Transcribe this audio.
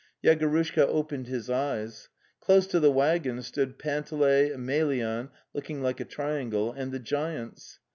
Yegorushka opened his eyes. Close to the wag gon stood Panteley, Emelyan, looking like a triangle, and the giants.